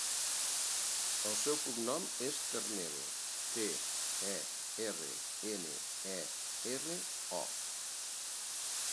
El seu cognom és Ternero: te, e, erra, ena, e, erra, o.